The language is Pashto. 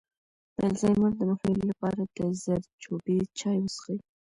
د الزایمر د مخنیوي لپاره د زردچوبې چای وڅښئ